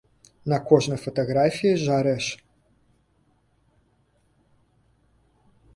На кожнай фатаграфіі жарэш!